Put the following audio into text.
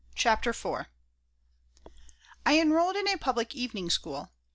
CHAPTER IV I ENROLLED in a public evening school.